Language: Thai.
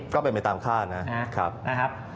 ก็เป็นไปตามคาดนะครับ